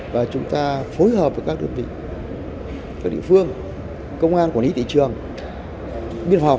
và chúng ta phối hợp với các đơn vị các địa phương công an của nghĩa thị trường biên phòng